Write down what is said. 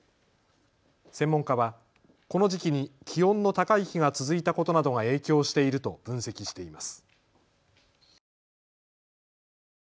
専門家は、この時期に気温の高い日が続いたことなどが影響していると分析しています。